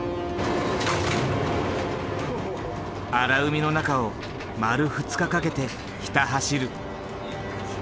荒海の中を丸２日かけてひた走る。